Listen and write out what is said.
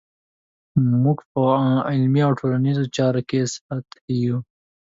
موږ په علمي او ټولنیزو چارو کې سطحي یو.